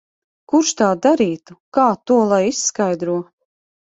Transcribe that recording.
Kurš tā darītu? Kā to lai izskaidro?